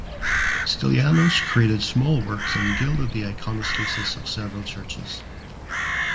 Stylianos created small works and gilded the iconostasis of several churches.